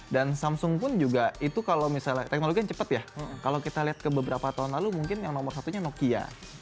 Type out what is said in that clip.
dan samsung pun juga itu kalau misalnya teknologi yang cepat ya kalau kita lihat ke beberapa tahun lalu mungkin yang nomor satunya nokia